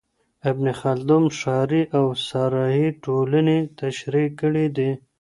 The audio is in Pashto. ابن خلدون ښاري او صحرايي ټولني تشرېح کړې دي.